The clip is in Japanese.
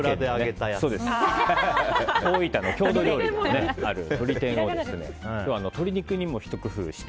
大分の郷土料理、鶏天を今日は鶏肉にもひと工夫して。